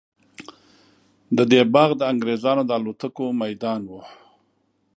د ده باغ د انګریزانو د الوتکو میدان وو.